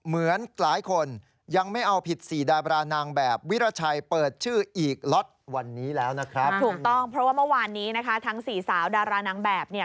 ถูกต้องเพราะว่าเมื่อวานนี้นะคะทั้งสี่สาวดารานางแบบเนี่ย